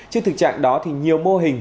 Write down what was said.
trước thực trạng đó nhiều mô hình